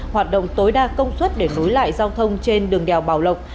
hoạt động tối đa công suất để nối lại giao thông trên đường đèo bảo lộc